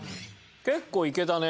結構いけたね。